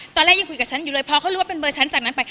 ตอนแรกยังคุยกับฉันอยู่เลยพอเขารู้ว่าเป็นเบอร์ฉันจากนั้นไป